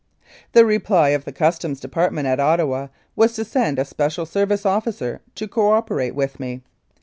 The reply of the Customs Department at Ottawa was to send a Special Service officer to co operate with me.